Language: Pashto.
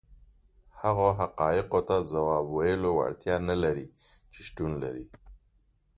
هغو حقایقو ته ځواب ویلو وړتیا نه لري چې شتون لري.